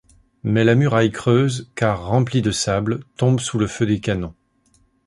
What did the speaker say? Mais la muraille creuse, car remplie de sable, tombe sous le feu des canons.